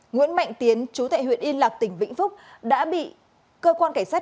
nguyễn mạnh tiến chú tại huyện yên lạc tỉnh vĩnh phúc đã bị cơ quan cảnh sát